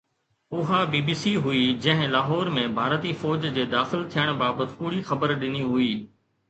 اها B B C هئي جنهن لاهور ۾ ڀارتي فوج جي داخل ٿيڻ بابت ڪوڙي خبر ڏني هئي